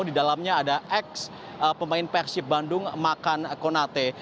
di dalamnya ada ex pemain persib bandung makan konate